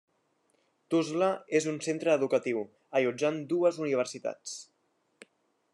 Tuzla és un centre educatiu, allotjant dues universitats.